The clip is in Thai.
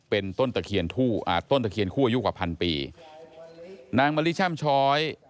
เป็นต้นตะเคียนคู่อ่าต้นตะเคียนคู่อายุกว่าพันปีนางมะลิแช่มช้อย